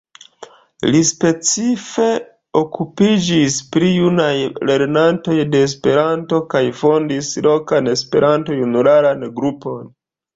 Li specife okupiĝis pri junaj lernantoj de Esperanto kaj fondis lokan Esperanto-junularan grupon.